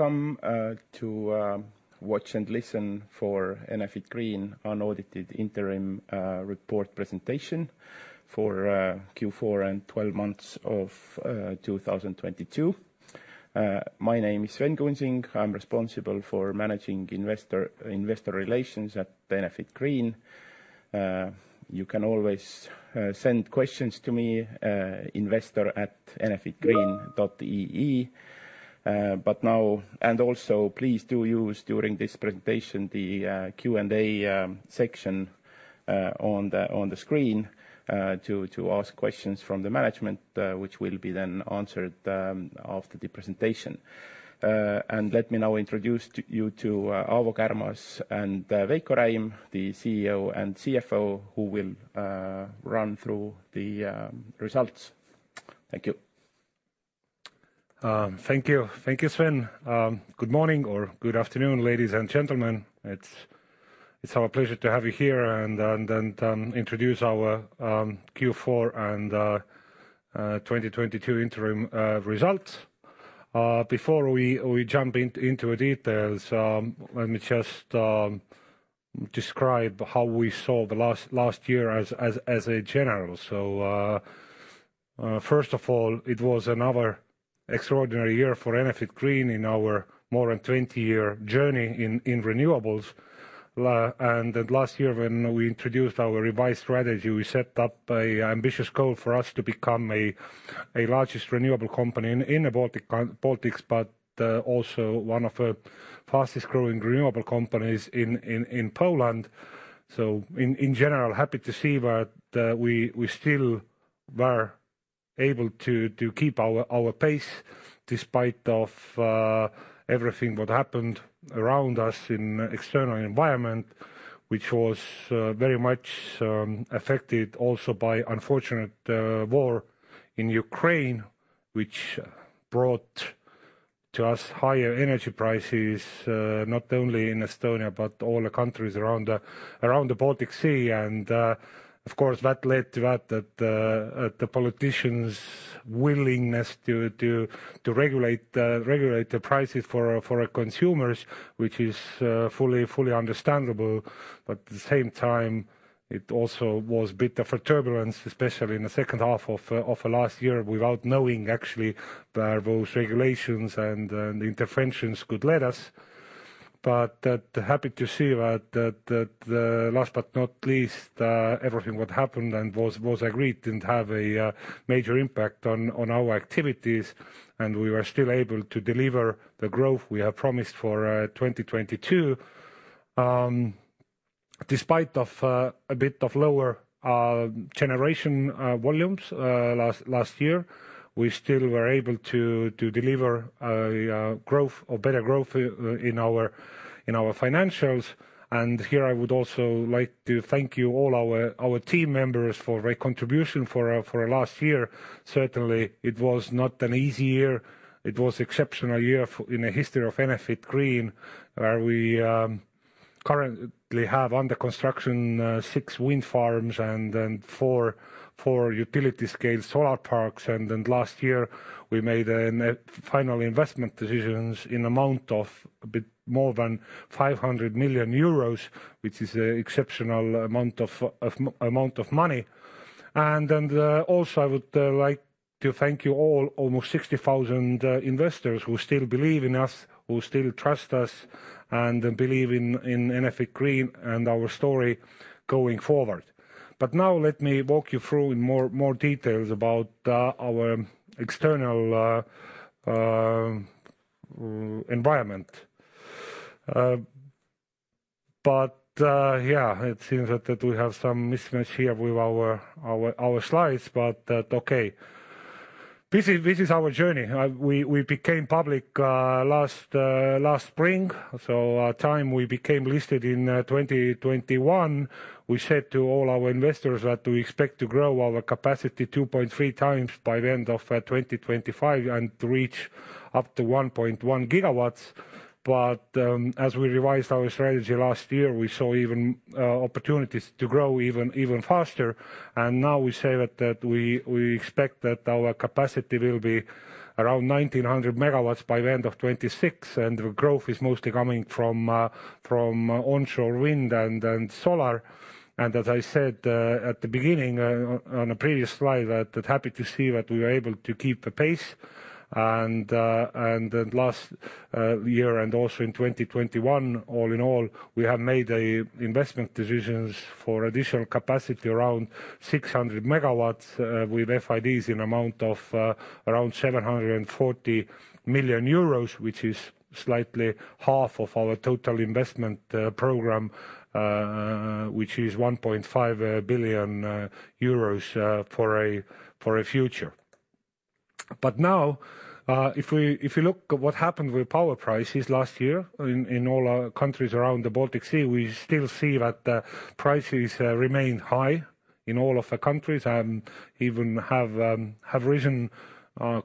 You've come to watch and listen for Enefit Green unaudited interim report presentation for Q4 and 12 months of 2022. My name is Sven Kunsing. I'm responsible for managing investor relations at Enefit Green. You can always send questions to me, investor@enefitgreen.ee. Please do use during this presentation the Q&A section on the screen to ask questions from the management, which will be then answered after the presentation. Let me now introduce you to Aavo Kärmas and Veiko Räim, the CEO and CFO, who will run through the results. Thank you. Thank you. Thank you, Sven. Good morning or good afternoon, ladies and gentlemen. It's our pleasure to have you here and introduce our Q4 and 2022 interim results. Before we jump into details, let me just describe how we saw the last year as a general. First of all, it was another extraordinary year for Enefit Green in our more than 20-year journey in renewables. Last year, when we introduced our revised strategy, we set up a ambitious goal for us to become a largest renewable company in the Baltics, but also one of the fastest growing renewable companies in Poland. In general, happy to see that we still were able to keep our pace despite of everything what happened around us in external environment, which was very much affected also by unfortunate war in Ukraine, which brought to us higher energy prices, not only in Estonia, but all the countries around the Baltic Sea. Of course, that led to that the politicians' willingness to regulate the prices for consumers, which is fully understandable. At the same time, it also was bit of a turbulence, especially in the second half of last year, without knowing actually where those regulations and interventions could lead us. t the last but not least, everything that happened and was agreed didn't have a major impact on our activities, and we were still able to deliver the growth we have promised for 2022. Despite a bit of lower generation volumes last year, we still were able to deliver growth or better growth in our financials. Here, I would also like to thank all our team members for their contribution for last year. Certainly, it was not an easy year. It was exceptional year in the history of Enefit Green, where we currently have under construction six wind farms and four utility scale solar parks. Last year, we made net final investment decisions in amount of a bit more than 500 million euros, which is a exceptional amount of money. Also, I would like to thank you all, almost 60,000 investors who still believe in us, who still trust us, and believe in Enefit Green and our story going forward. Now let me walk you through in more details about our external environment. Yeah, it seems that we have some mismatch here with our slides, okay. This is our journey. We became public last spring. Time we became listed in 2021, we said to all our investors that we expect to grow our capacity 2.3x by the end of 2025 and reach up to 1.1 Gw. As we revised our strategy last year, we saw even opportunities to grow even faster. Now we say that we expect that our capacity will be around 1,900 MW by the end of 2026. The growth is mostly coming from onshore wind and solar. As I said at the beginning, on a previous slide, that happy to see that we were able to keep a pace. Last year and also in 2021, all in all, we have made investment decisions for additional capacity around 600 MW, with FIDs in amount of around 740 million euros, which is slightly half of our total investment program, which is 1.5 billion euros for a future. Now, if you look at what happened with power prices last year in all countries around the Baltic Sea, we still see that the prices remained high in all of the countries, and even have risen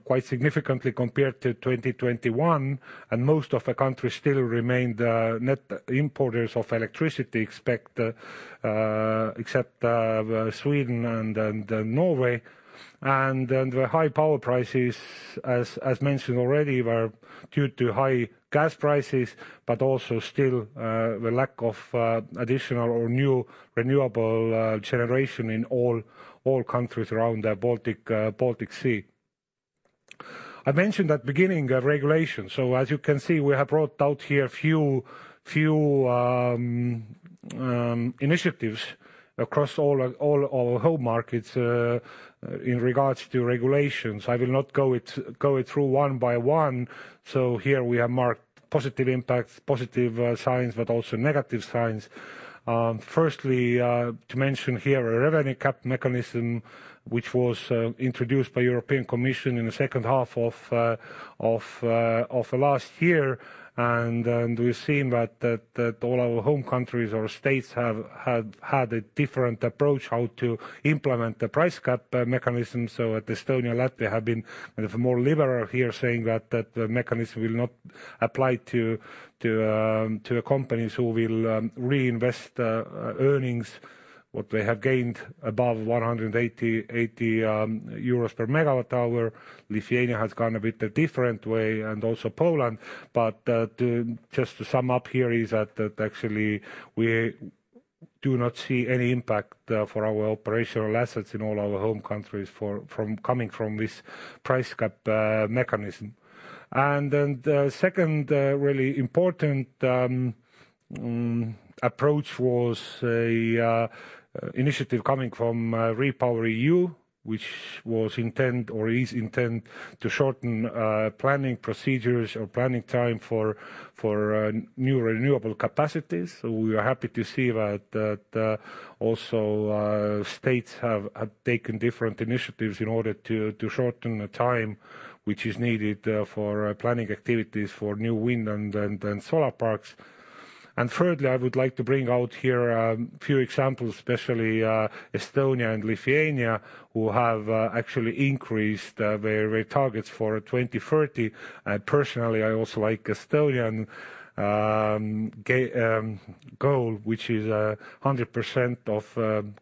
quite significantly compared to 2021, and most of the countries still remain the net importers of electricity, except Sweden and Norway. The high power prices, as mentioned already, were due to high gas prices, but also still the lack of additional or new renewable generation in all countries around the Baltic Sea. I mentioned at beginning regulation. As you can see, we have brought out here a few initiatives across all our home markets in regards to regulations. I will not go it through one by one. Here we have marked positive impacts, positive signs, but also negative signs. Firstly, to mention here a revenue cap mechanism, which was introduced by European Commission in the second half of last year. We've seen that all our home countries or states have had a different approach how to implement the price cap mechanism. At Estonia and Latvia have been kind of more liberal here saying that that mechanism will not apply to the companies who will reinvest earnings, what they have gained above 180 euros per MWh. Lithuania has gone a bit a different way and also Poland. Just to sum up here is that actually we do not see any impact for our operational assets in all our home countries for, from coming from this price cap mechanism. The second really important approach was a initiative coming from REPowerEU, which was intent or is intent to shorten planning procedures or planning time for new renewable capacities. We are happy to see that also states have taken different initiatives in order to shorten the time which is needed for planning activities for new wind and solar parks. Thirdly, I would like to bring out here a few examples, especially Estonia and Lithuania, who have actually increased their targets for 2030. I personally also like Estonian goal, which is 100% of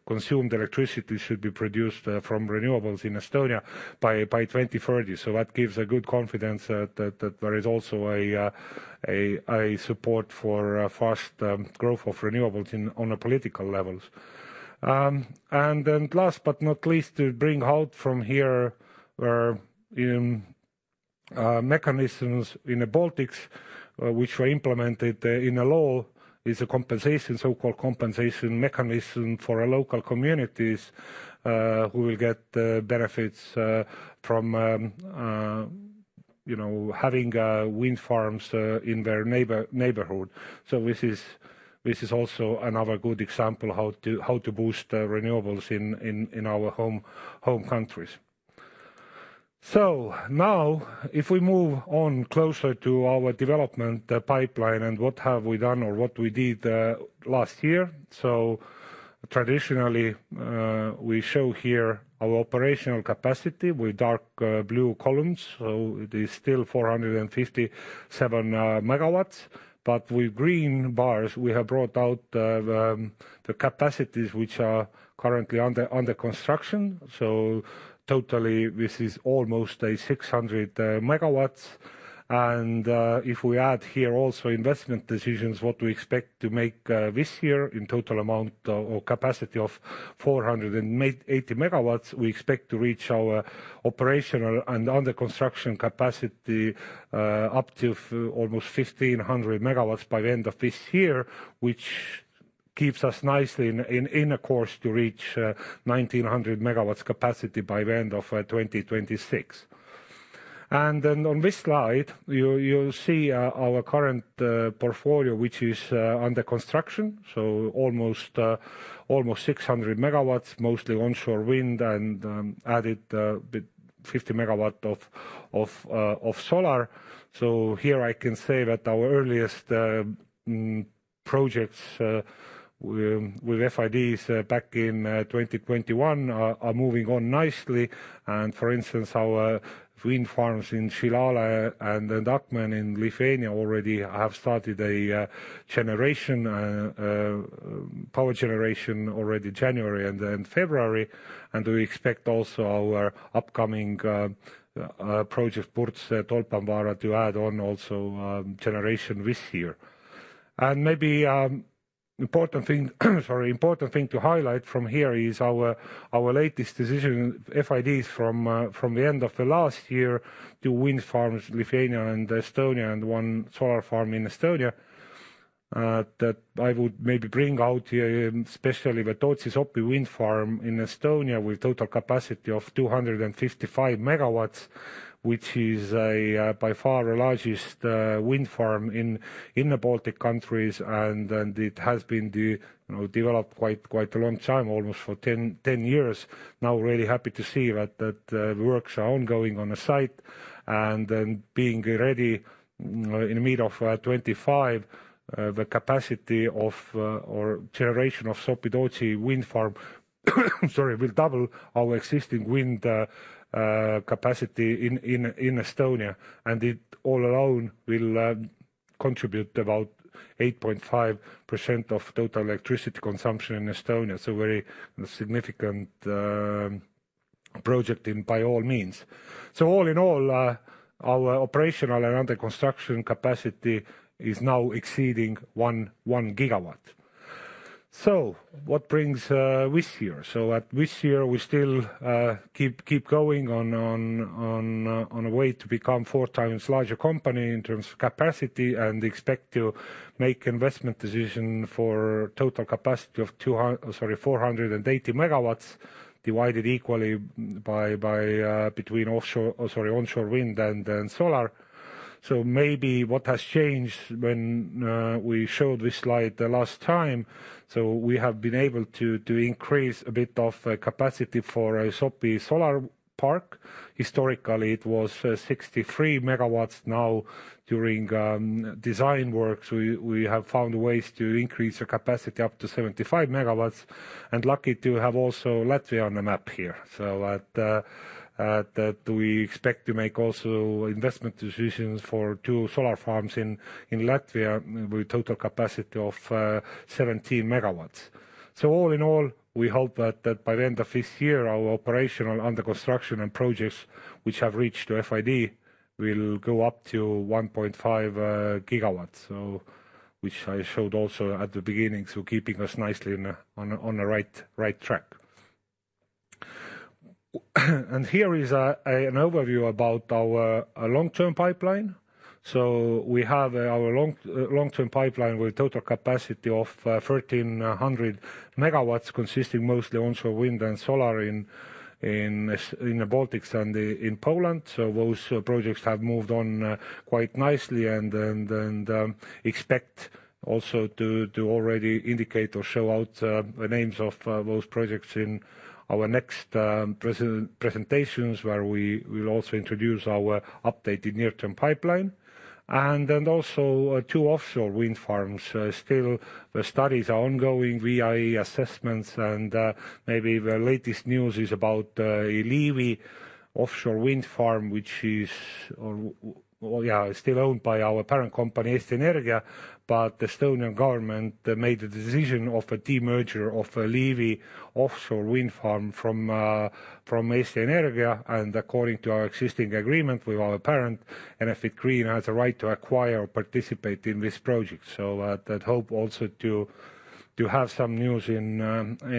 consumed electricity should be produced from renewables in Estonia by 2030. That gives a good confidence that there is also a support for fast growth of renewables on a political levels. Last but not least, to bring out from here are mechanisms in the Baltics, which were implemented in a law, is a compensation, so-called compensation mechanism for local communities, who will get benefits from, you know, having wind farms in their neighborhood. This is also another good example how to boost renewables in our home countries. If we move on closer to our development, the pipeline and what have we done or what we did last year. Traditionally, we show here our operational capacity with dark blue columns. It is still 457 MW. With green bars, we have brought out the capacities which are currently under construction. Totally, this is almost 600 MW. If we add here also investment decisions, what we expect to make this year in total amount or capacity of 480 MW, we expect to reach our operational and under construction capacity up to almost 1,500 MW by the end of this year, which keeps us nicely in a course to reach 1,900 MW capacity by the end of 2026. On this slide, you'll see our current portfolio, which is under construction. Almost 600 MW, mostly onshore wind and added with 50 MW of solar. Here I can say that our earliest projects with FIDs back in 2021 are moving on nicely. For instance, our wind farms in Šilalė and in Akmenė in Lithuania already have started generation, power generation already January and then February. We expect also our upcoming project, Tolpanvaara, to add on also generation this year. Maybe important thing, sorry, important thing to highlight from here is our latest decision, FIDs from the end of the last year, to wind farms, Lithuania and Estonia, and one solar farm in Estonia. That I would maybe bring out here, especially the Sopi-Tootsi wind farm in Estonia with total capacity of 255 MW, which is by far the largest wind farm in the Baltic countries. It has been you know, developed quite a long time, almost for 10 years. Now, really happy to see that the works are ongoing on the site. Being ready in the middle of 2025, the capacity of or generation of Sopi-Tootsi wind farm, sorry, will double our existing wind capacity in Estonia. It all alone will contribute about 8.5% of total electricity consumption in Estonia. Very significant project in by all means. All in all, our operational and under construction capacity is now exceeding 1 GW. What brings this year? At this year, we still keep going on a way to become 4x larger company in terms of capacity and expect to make investment decision for total capacity of 480 MW divided equally by between offshore, sorry, onshore wind and then solar. Maybe what has changed when we showed this slide the last time, we have been able to increase a bit of capacity for Sopi Solar Park. Historically, it was 63 MW. Now during design works, we have found ways to increase the capacity up to 75 MW and lucky to have also Latvia on the map here. At, do we expect to make also investment decisions for two solar farms in Latvia with total capacity of 17 MW. All in all, we hope that by the end of this year, our operational under construction and projects which have reached FID will go up to 1.5 GW, so which I showed also at the beginning. Keeping us nicely on the right track. Here is an overview about our long-term pipeline. We have our long-term pipeline with total capacity of 1,300 MW, consisting mostly onshore wind and solar in the Baltics and in Poland. Those projects have moved on, quite nicely and, expect also to already indicate or show out the names of those projects in our next presentations, where we will also introduce our updated near-term pipeline and then also two offshore wind farms. Still the studies are ongoing, VIA assessments and, maybe the latest news is about Elije offshore wind farm, which is, yeah, still owned by our parent company, Eesti Energia. The Estonian government made the decision of a demerger of Elije offshore wind farm from Eesti Energia. According to our existing agreement with our parent, Enefit Green has a right to acquire or participate in this project. At that hope also to have some news in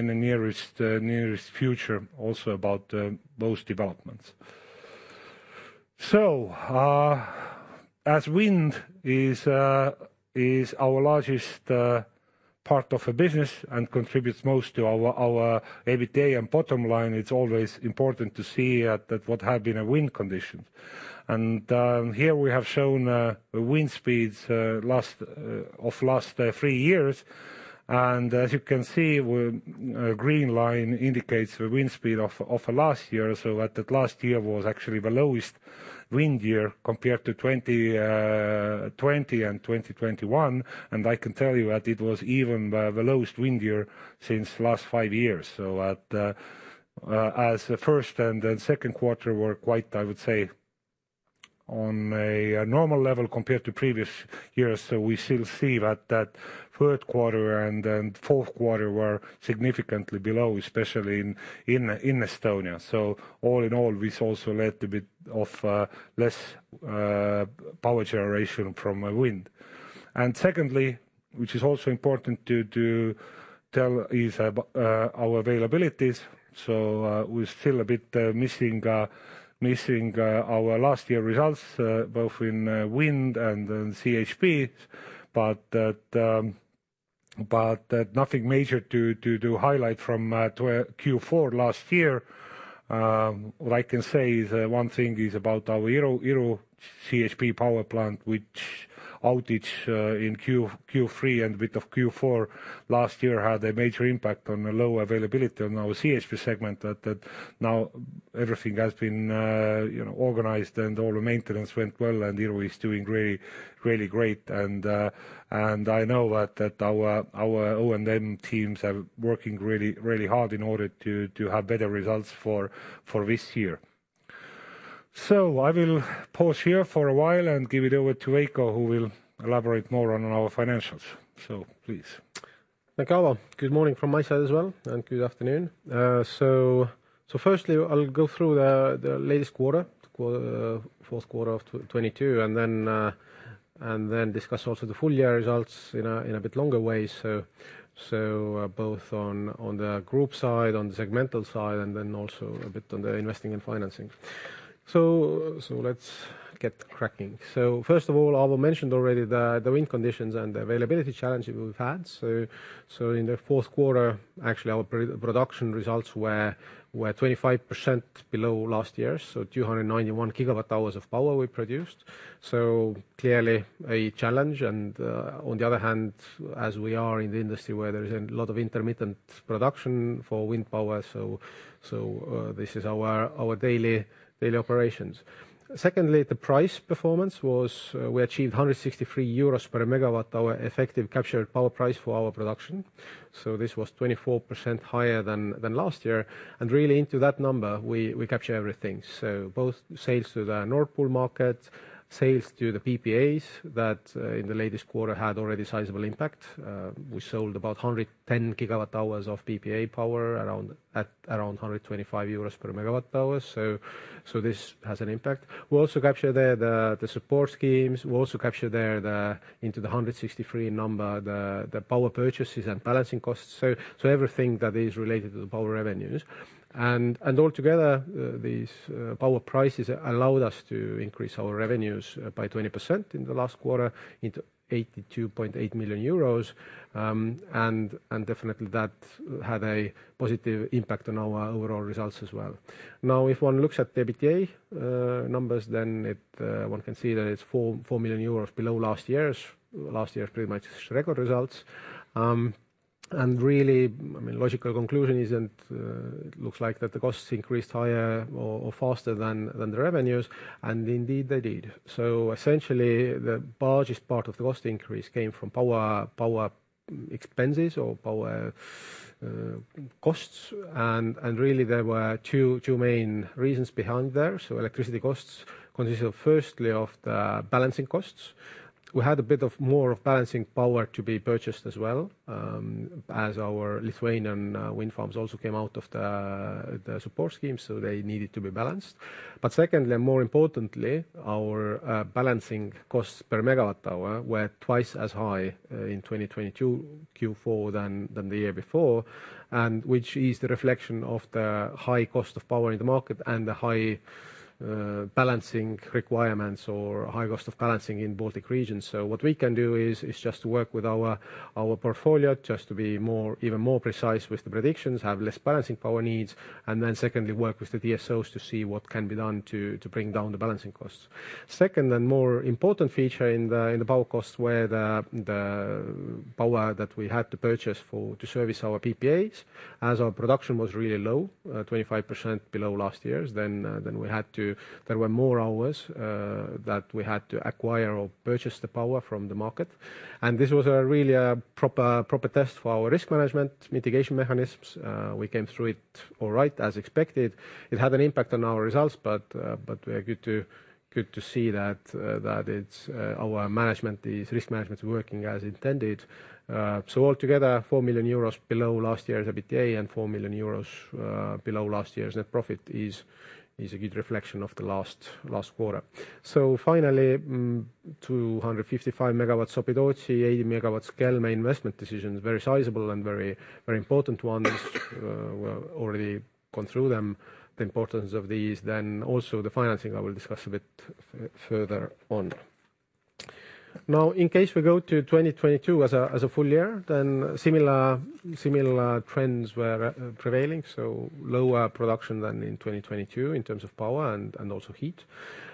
the nearest future also about those developments. As wind is our largest part of the business and contributes most to our EBITDA and bottom line, it's always important to see that what have been a wind condition. Here we have shown wind speeds last three years. As you can see, green line indicates the wind speed of last year. That last year was actually the lowest wind year compared to 2020 and 2021. I can tell you that it was even the lowest wind year since last five years. As the first and second quarter were quite, I would say, on a normal level compared to previous years. We still see that third quarter and fourth quarter were significantly below, especially in Estonia. All in all, this also led to bit of less power generation from wind. Secondly, which is also important to tell is our availabilities. We're still a bit missing our last year results both in wind and then CHP. Nothing major to highlight from to Q4 last year. What I can say is one thing is about our Iru CHP power plant, which outage in Q3 and bit of Q4 last year had a major impact on the low availability on our CHP segment that now everything has been, you know, organized and all the maintenance went well. Iru is doing really great. I know that our O&M teams are working really, really hard in order to have better results for this year. I will pause here for a while and give it over to Veiko, who will elaborate more on our financials. Please. Thank you, Kärmas. Good morning from my side as well, and good afternoon. Firstly, I'll go through the latest fourth quarter of 2022, and then discuss also the full year results in a bit longer way. Both on the group side, on the segmental side, and then also a bit on the investing and financing. Let's get cracking. First of all, Aavo mentioned already the wind conditions and the availability challenges we've had. In the fourth quarter, actually our pro-production results were 25% below last year's. 291 GWh of power we produced. Clearly a challenge. On the other hand, as we are in the industry where there is a lot of intermittent production for wind power, so, this is our daily operations. Secondly, the price performance was, we achieved 163 euros MWh effective captured power price for our production. This was 24% higher than last year. Really into that number we capture everything. Both sales to the Nord Pool market, sales to the PPAs that in the latest quarter had already sizable impact. We sold about 110 GWh hours of PPA power around, at around 125 euros MWh. So this has an impact. We also capture the support schemes. We also capture there the, into the 163 number, the power purchases and balancing costs. Everything that is related to the power revenues. Altogether, these power prices allowed us to increase our revenues by 20% in the last quarter into 82.8 million euros. Definitely that had a positive impact on our overall results as well. If one looks at the EBITDA numbers, then one can see that it's 4 million euros below last year's. Last year's pretty much record results. Really, I mean, logical conclusion isn't, looks like that the costs increased higher or faster than the revenues, and indeed, they did. Essentially, the largest part of the cost increase came from power expenses or power costs. Really there were two main reasons behind there. Electricity costs consisted firstly of the balancing costs. We had a bit of more of balancing power to be purchased as well, as our Lithuanian wind farms also came out of the support scheme, so they needed to be balanced. Secondly, and more importantly, our balancing costs per megawatt hour were twice as high in 2022 Q4 than the year before, and which is the reflection of the high cost of power in the market and the high balancing requirements or high cost of balancing in Baltic region. What we can do is just work with our portfolio just to be more, even more precise with the predictions, have less balancing power needs, and then secondly, work with the DSOs to see what can be done to bring down the balancing costs. Second more important feature in the power costs were the power that we had to purchase for, to service our PPAs. As our production was really low, 25% below last year's, there were more hours that we had to acquire or purchase the power from the market. This was a really a proper test for our risk management mitigation mechanisms. We came through it all right, as expected. It had an impact on our results, but we are good to see that our management, the risk management working as intended. Altogether, 4 million euros below last year's EBITDA and 4 million euros below last year's net profit is a good reflection of the last quarter. Finally, 255 MW Sopi-Tootsi, 80 MW Kelmė investment decisions, very sizable and very, very important ones. We've already gone through them, the importance of these, then also the financing I will discuss a bit further on. In case we go to 2022 as a full year, then similar trends were prevailing. Lower production than in 2022 in terms of power and also heat.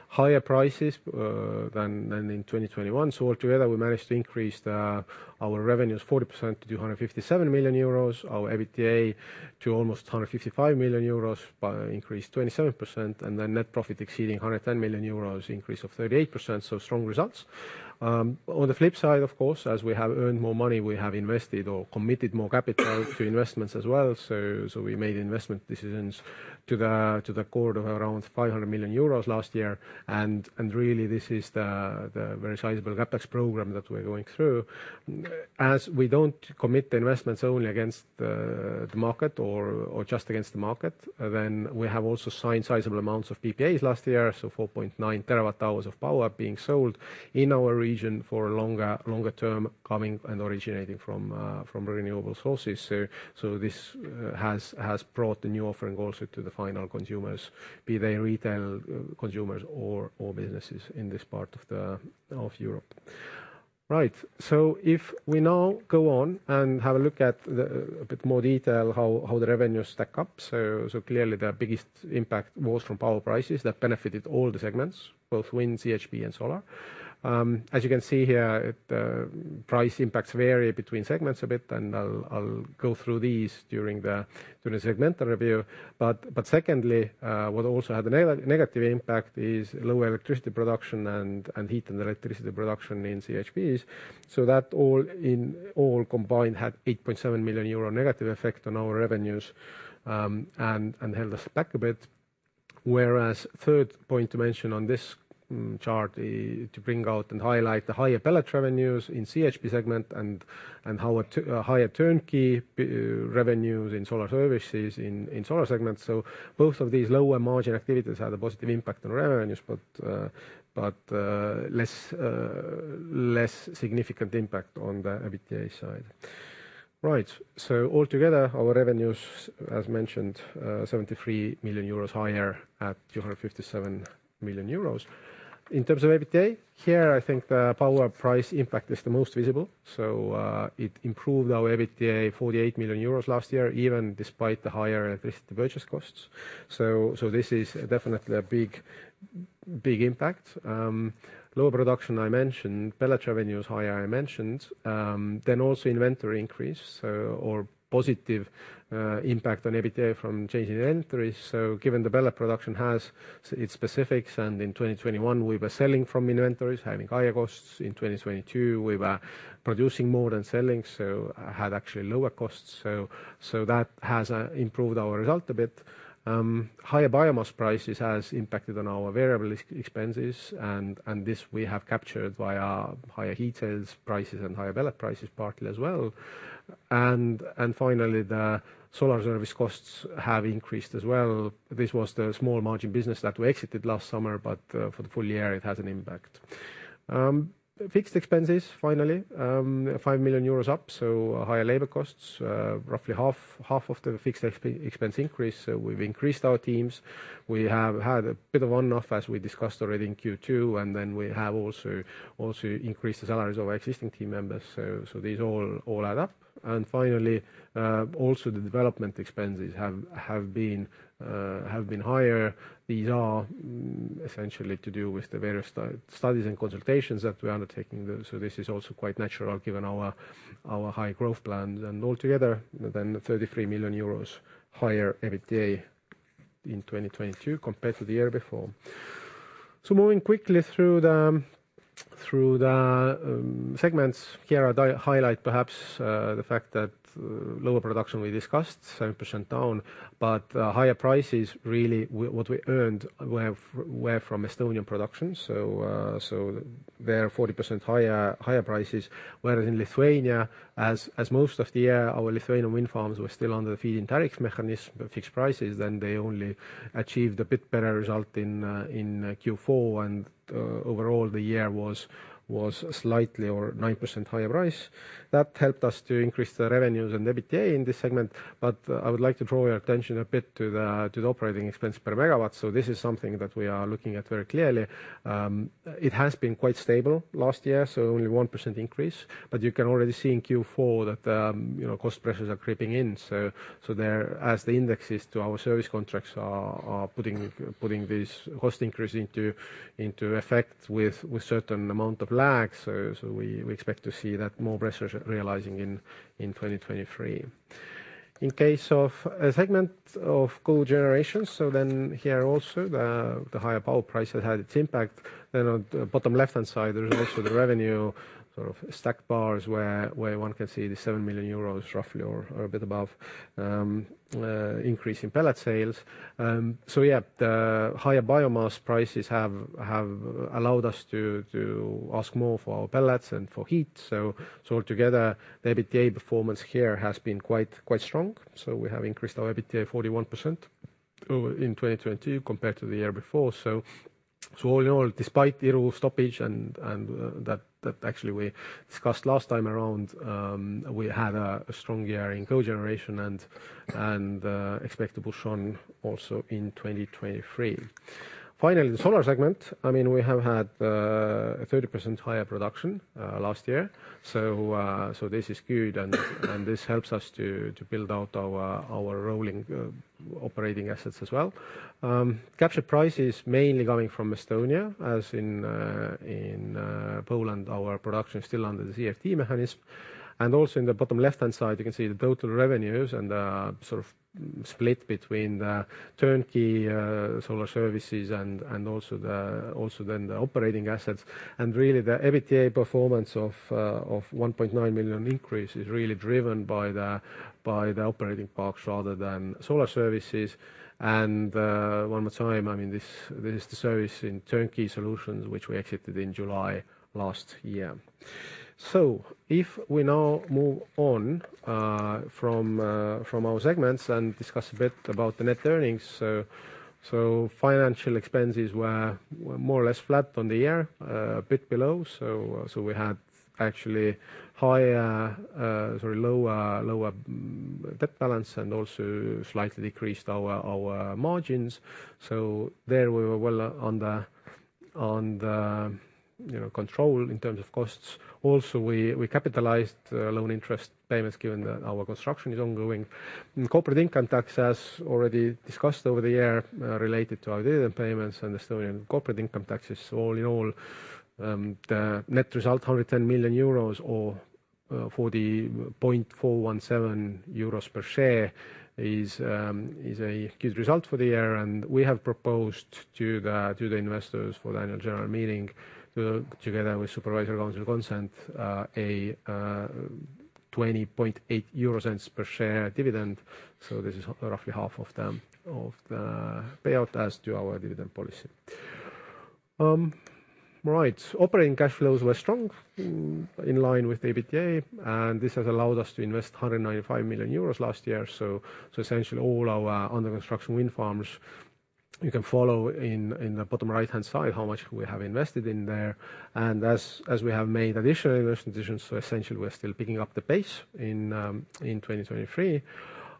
Higher prices than in 2021. Altogether, we managed to increase our revenues 40% to 257 million euros, our EBITDA to almost 155 million euros by increase 27%, net profit exceeding 110 million euros, increase of 38%. Strong results. On the flip side, of course, as we have earned more money, we have invested or committed more capital to investments as well. We made investment decisions to the chord of around 500 million euros last year. Really, this is the very sizable CapEx program that we're going through. As we don't commit investments only against the market or just against the market, then we have also signed sizable amounts of PPAs last year. 4.9 TWh of power being sold in our region for longer term coming and originating from renewable sources. This has brought the new offering also to the final consumers, be they retail consumers or businesses in this part of Europe. Right. If we now go on and have a look at the, a bit more detail how the revenues stack up. Clearly the biggest impact was from power prices that benefited all the segments, both wind, CHP and solar. As you can see here, the price impacts vary between segments a bit, and I'll go through these during the segmental review. Secondly, what also had a negative impact is lower electricity production and heat and electricity production in CHPs. That all in all combined had 8.7 million euro negative effect on our revenues, and held us back a bit. Third point to mention on this chart, to bring out and highlight the higher pellet revenues in CHP segment and our higher turnkey revenues in solar services in solar segments. Both of these lower margin activities had a positive impact on revenues, but less significant impact on the EBITDA side. Right. Altogether, our revenues, as mentioned, 73 million euros higher at 257 million euros. In terms of EBITDA, here, I think the power price impact is the most visible. It improved our EBITDA 48 million euros last year, even despite the higher electricity purchase costs. This is definitely a big impact. Lower production, I mentioned. Pellet revenues higher, I mentioned. Also inventory increase, or positive impact on EBITDA from changing inventories. Given the pellet production has its specifics, and in 2021, we were selling from inventories, having higher costs. In 2022, we were producing more than selling, had actually lower costs. That has improved our result a bit. Higher biomass prices has impacted on our variable expenses, and this we have captured via higher heat sales prices and higher pellet prices partly as well. Finally, the solar service costs have increased as well. This was the small margin business that we exited last summer, for the full year, it has an impact. Fixed expenses, finally, 5 million euros up, higher labor costs, roughly half of the fixed expense increase. We've increased our teams. We have had a bit of on and off as we discussed already in Q2, we have also increased the salaries of our existing team members. These all add up. Finally, also the development expenses have been higher. These are essentially to do with the various studies and consultations that we are undertaking. This is also quite natural given our high growth plans. Altogether, 33 million euros higher EBITDA in 2022 compared to the year before. Moving quickly through the segments. Here, I highlight perhaps the fact that lower production we discussed, 7% down, but higher prices, really what we earned were from Estonian production. There 40% higher prices, whereas in Lithuania, as most of the year, our Lithuanian wind farms were still under the feed-in tariff mechanism of fixed prices, then they only achieved a bit better result in Q4. Overall, the year was slightly or 9% higher price. That helped us to increase the revenues and EBITDA in this segment, but I would like to draw your attention a bit to the operating expense per megawatt. This is something that we are looking at very clearly. It has been quite stable last year, so only 1% increase. You can already see in Q4 that, you know, cost pressures are creeping in. There, as the indexes to our service contracts are putting this cost increase into effect with certain amount of lag. We expect to see that more pressure realizing in 2023. In case of a segment of coal generation, here also, the higher power price has had its impact. On the bottom left-hand side, there is also the revenue, sort of stacked bars where one can see the 7 million euros roughly or a bit above increase in pellet sales. Yeah, the higher biomass prices have allowed us to ask more for our pellets and for heat. Altogether, the EBITDA performance here has been quite strong. We have increased our EBITDA 41% in 2022 compared to the year before. All in all, despite the Iru stoppage and that actually we discussed last time around, we had a strong year in cogeneration and expectable shown also in 2023. Finally, the solar segment. I mean, we have had a 30% higher production last year. This is good, and this helps us to build out our rolling operating assets as well. Capture prices mainly coming from Estonia, as in Poland, our production is still under the CfD mechanism. Also in the bottom left-hand side, you can see the total revenues and the sort of split between the turnkey solar services and also then the operating assets. Really, the EBITDA performance of 1.9 million increase is really driven by the operating parks rather than solar services. One more time, I mean, this is the service in turnkey solutions which we accepted in July last year. If we now move on from our segments and discuss a bit about the net earnings. Financial expenses were more or less flat on the year, a bit below. We had actually higher, sorry, lower debt balance and also slightly decreased our margins. There we were well on the, you know, control in terms of costs. Also, we capitalized loan interest payments given that our construction is ongoing. Corporate income tax, as already discussed over the year, related to our dividend payments and Estonian corporate income taxes. All in all, the net result, 110 million euros, or 40.417 euros per share is a good result for the year. We have proposed to the investors for the annual general meeting, together with supervisor council consent, 0.208 per share dividend. This is roughly half of the payout as to our dividend policy. Right. Operating cash flows were strong, in line with the EBITDA, and this has allowed us to invest 195 million euros last year. Essentially all our under-construction wind farms. You can follow in the bottom right-hand side how much we have invested in there. As we have made additional investment decisions, essentially, we're still picking up the pace in 2023.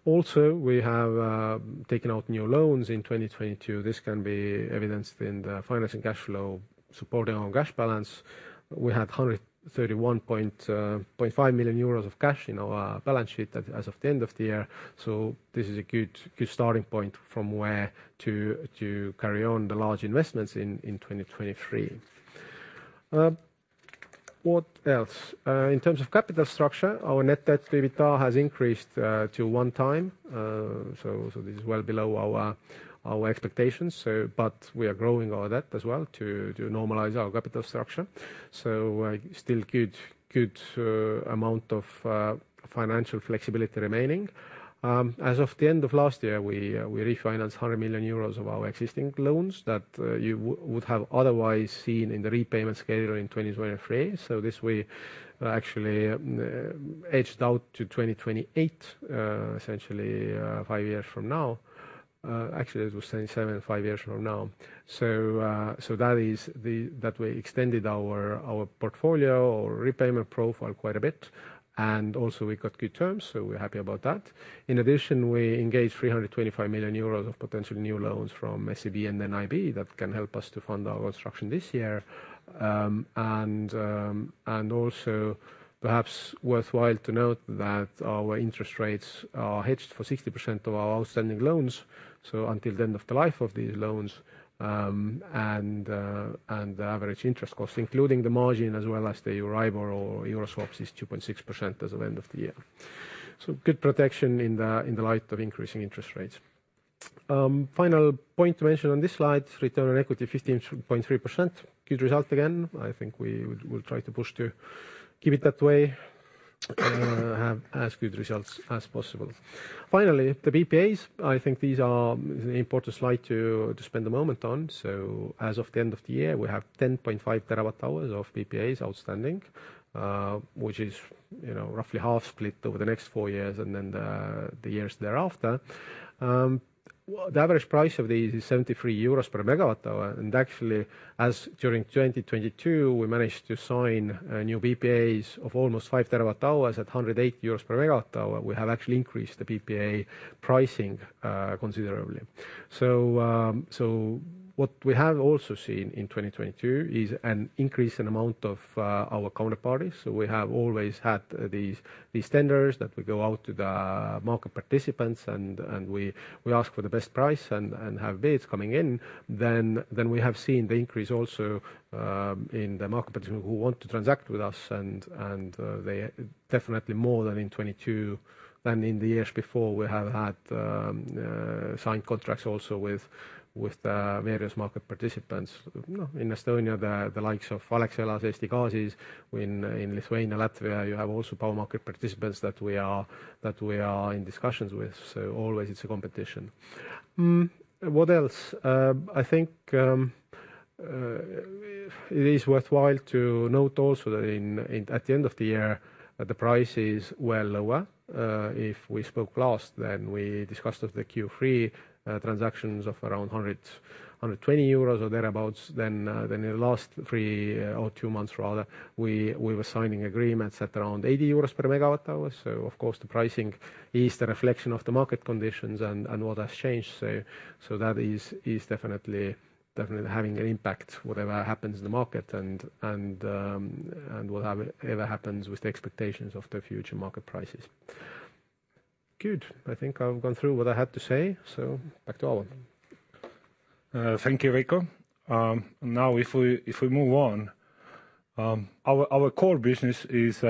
We have taken out new loans in 2022. This can be evidenced in the financing cash flow, supporting our cash balance. We had 131.5 million euros of cash in our balance sheet as of the end of the year. This is a good starting point from where to carry on the large investments in 2023. What else? In terms of capital structure, our net debt to EBITDA has increased to 1x. This is well below our expectations. We are growing our debt as well to normalize our capital structure. Still good amount of financial flexibility remaining. As of the end of last year, we refinanced 100 million euros of our existing loans that you would have otherwise seen in the repayment schedule in 2023. This we actually edged out to 2028, essentially five years from now. Actually, as we're saying seven, five years from now. That we extended our portfolio, our repayment profile quite a bit, and also we got good terms, so we're happy about that. In addition, we engaged 325 million euros of potential new loans from SEB and NIB that can help us to fund our construction this year. Also perhaps worthwhile to note that our interest rates are hedged for 60% of our outstanding loans, so until the end of the life of these loans. The average interest cost, including the margin as well as the EURIBOR or Euro swaps, is 2.6% as of end of the year. Good protection in the, in the light of increasing interest rates. Final point to mention on this slide, return on equity, 15.3%. Good result again. I think we will try to push to keep it that way, have as good results as possible. The PPAs, I think these are an important slide to spend a moment on. As of the end of the year, we have 10.5 TWh of PPAs outstanding, which is, you know, roughly half split over the next four years and then the years thereafter. The average price of these is 73 euros per MWh. Actually, as during 2022, we managed to sign new PPAs of almost 5 TWh at 108 euros per MWh. We have actually increased the PPA pricing considerably. What we have also seen in 2022 is an increase in amount of our counterparties. We have always had these tenders that we go out to the market participants and we ask for the best price and have bids coming in. We have seen the increase also in the market participants who want to transact with us. Definitely more than in 2022 than in the years before, we have had signed contracts also with various market participants. You know, in Estonia, the likes of Alexela, Eesti Gaas. In Lithuania, Latvia, you have also power market participants that we are in discussions with. Always it's a competition. What else? I think it is worthwhile to note also that in at the end of the year, the price is well lower. If we spoke last, then we discussed of the Q3 transactions of around 100-120 euros or thereabouts, than in the last three or two months rather. We were signing agreements at around 80 euros per MWh. Of course, the pricing is the reflection of the market conditions and all that's changed. That is definitely having an impact whatever happens in the market and whatever happens with the expectations of the future market prices. Good. I think I've gone through what I had to say. Back to Aavo. Thank you, Veiko. Now if we move on, our core business is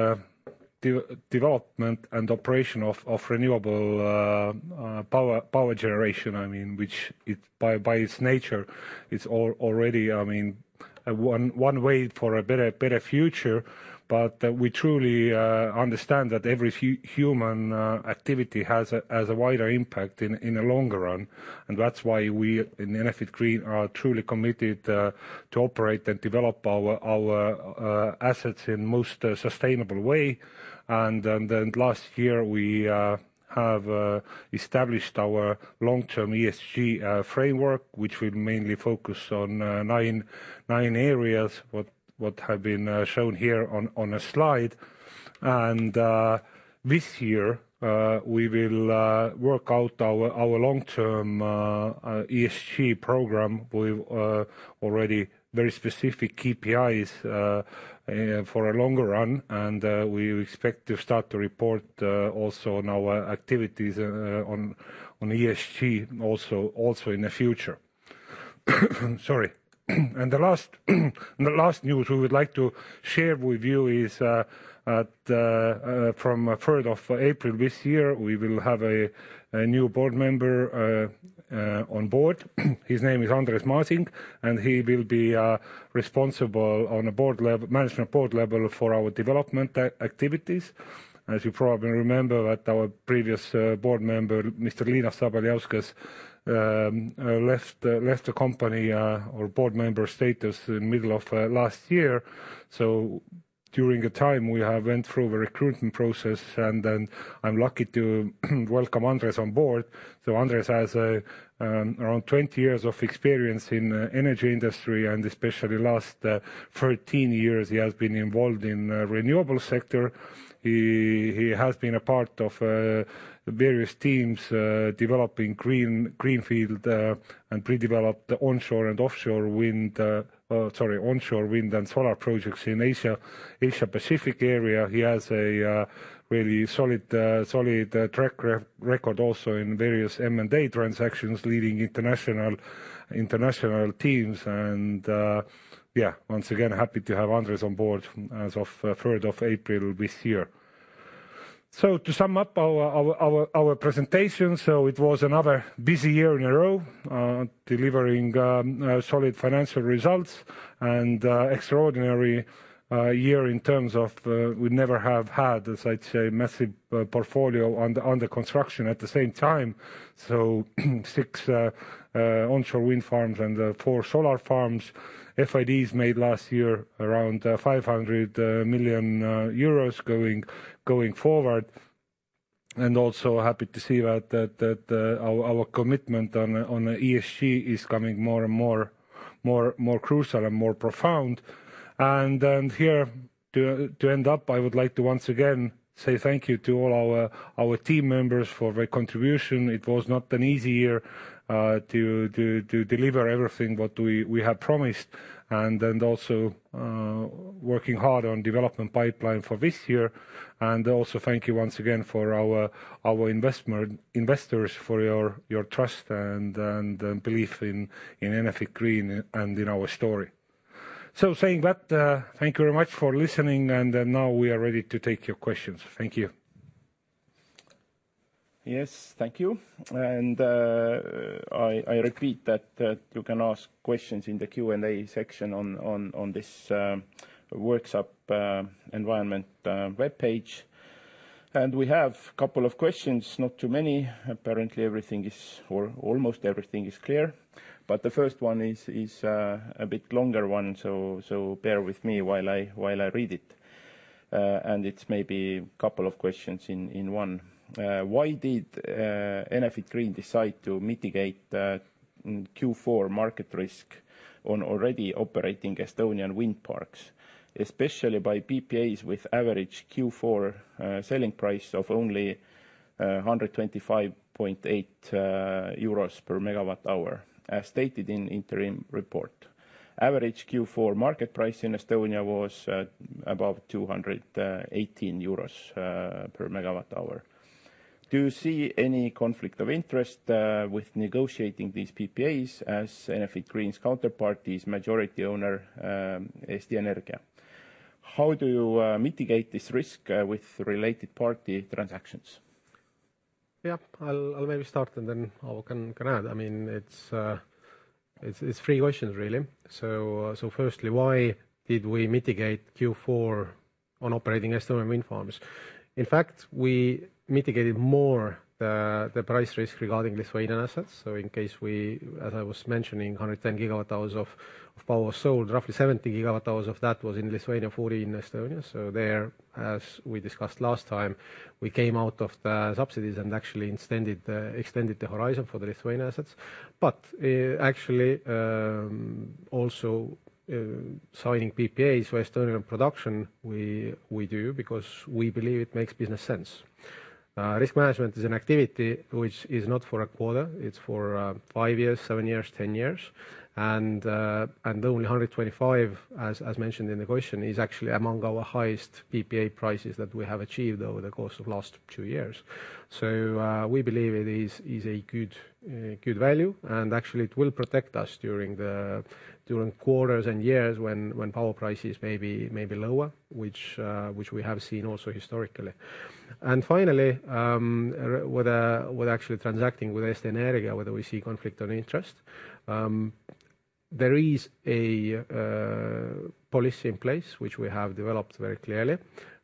development and operation of renewable power generation, I mean, which by its nature, it's already, I mean, one way for a better future. We truly understand that every human activity has a wider impact in the longer run. That's why we in Enefit Green are truly committed to operate and develop our assets in most sustainable way. Last year, we have established our long-term ESG framework, which will mainly focus on nine areas, what have been shown here on a slide. This year, we will work out our long-term ESG program with already very specific KPIs for a longer run. We expect to start to report also on our activities on ESG also in the future. Sorry. The last news we would like to share with you is from 3rd of April this year, we will have a new board member on board. His name is Andres Maasing, and he will be responsible on a management board level for our development activities. As you probably remember that our previous board member, Mr. Linas Sabaliauskas, left the company or board member status in middle of last year. During the time we have went through the recruitment process, I'm lucky to welcome Andres Maasing on board. Andres Maasing has around 20 years of experience in energy industry, and especially last 13 years, he has been involved in renewable sector. He has been a part of various teams developing green field and pre-developed onshore and offshore wind, sorry, onshore wind and solar projects in Asia Pacific area. He has a really solid track record also in various M&A transactions, leading international teams and, yeah. Once again, happy to have Andres Maasing on board as of 3rd of April this year. To sum up our presentation. It was another busy year in a row, delivering solid financial results and extraordinary year in terms of. We never have had, as I'd say, massive portfolio under construction at the same time. Six onshore wind farms and four solar farms. FIDs made last year around 500 million euros going forward. Also happy to see that our commitment on ESG is becoming more and more crucial and more profound. Here to end up, I would like to once again say thank you to all our team members for their contribution. It was not an easy year to deliver everything what we had promised and also working hard on development pipeline for this year. Also thank you once again for our investors for your trust and belief in Enefit Green and in our story. Saying that, thank you very much for listening now we are ready to take your questions. Thank you. Yes. Thank you. I repeat that you can ask questions in the Q&A section on this works up environment webpage. We have couple of questions. Not too many. Apparently, everything is, or almost everything is clear. The first one is a bit longer one, so bear with me while I read it. It's maybe couple of questions in one. Why did Enefit Green decide to mitigate Q4 market risk on already operating Estonian wind parks, especially by PPAs with average Q4 selling price of only 125.8 euros per MWh, as stated in interim report? Average Q4 market price in Estonia was above 218 euros per MWh. Do you see any conflict of interest with negotiating these PPAs as Enefit Green's counterpart is majority owner, Eesti Energia? How do you mitigate this risk with related party transactions? I'll maybe start, and then Avo can add. I mean, it's three questions really. Firstly, why did we mitigate Q4 on operating Estonian wind farms? In fact, we mitigated more the price risk regarding Lithuanian assets. In case we, as I was mentioning, 110 GWh of power sold, roughly 70 GWh of that was in Lithuania, 40 in Estonia. There, as we discussed last time, we came out of the subsidies and actually extended the horizon for the Lithuanian assets. Actually, also, signing PPAs for Estonian production, we do because we believe it makes business sense. Risk management is an activity which is not for a quarter, it's for five years, seven years, 10 years. Only 125, as mentioned in the question, is actually among our highest PPA prices that we have achieved over the course of two years. We believe it is a good value, and actually it will protect us during the quarters and years when power prices may be lower, which we have seen also historically. Finally, actually transacting with Eesti Energia, whether we see conflict of interest. There is a policy in place which we have developed very clearly,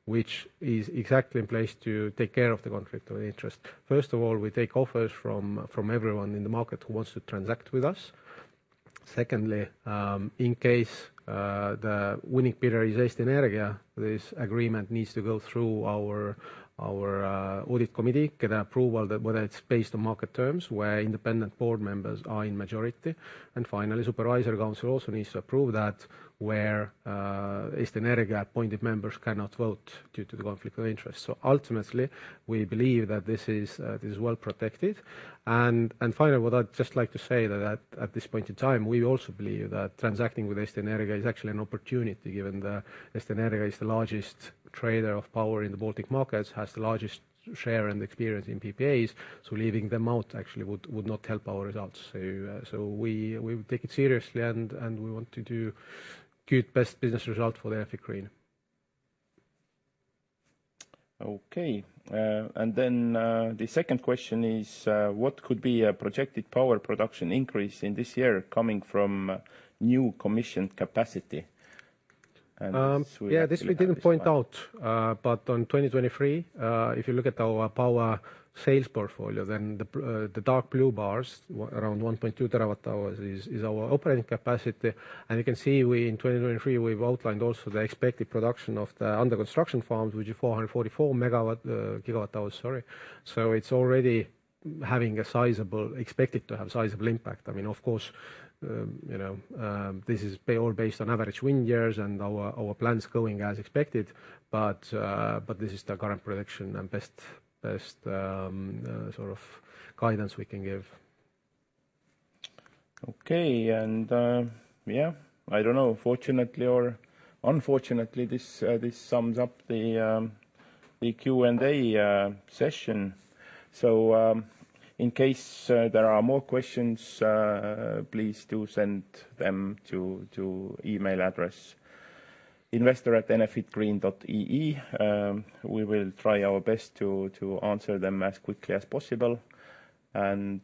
which is exactly in place to take care of the conflict of interest. First of all, we take offers from everyone in the market who wants to transact with us. Secondly, in case the winning bidder is Eesti Energia, this agreement needs to go through our audit committee, get approval that whether it's based on market terms, where independent board members are in majority. Finally, Supervisory Council also needs to approve that where Eesti Energia appointed members cannot vote due to the conflict of interest. Ultimately, we believe that this is well-protected. Finally, what I'd just like to say that at this point in time, we also believe that transacting with Eesti Energia is actually an opportunity, given the Eesti Energia is the largest trader of power in the Baltic markets, has the largest share and experience in PPAs. Leaving them out actually would not help our results. We take it seriously and we want to do good, best business result for Enefit Green. Okay. The second question is, what could be a projected power production increase in this year coming from new commissioned capacity? This we actually. Yeah, this we didn't point out. On 2023, if you look at our power sales portfolio, then the dark blue bars, around 1.2 TWh is our operating capacity. You can see we, in 2023, we've outlined also the expected production of the under-construction farms, which is 444 GWh, sorry. It's already having a sizable, expected to have sizable impact. I mean, of course, you know, this is all based on average wind years and our plans going as expected. This is the current prediction and best sort of guidance we can give. Okay. Yeah, I don't know, fortunately or unfortunately, this sums up the Q&A session. In case there are more questions, please do send them to email address investor@enefitgreen.ee. We will try our best to answer them as quickly as possible. I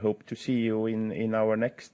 hope to see you in our next